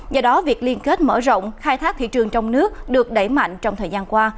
do đó việc liên kết mở rộng khai thác thị trường trong nước được đẩy mạnh trong thời gian qua